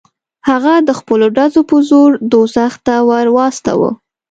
هغه د خپلو ډزو په زور دوزخ ته ور واستاوه.